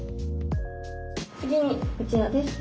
次にこちらです。